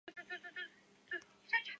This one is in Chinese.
更接近家乡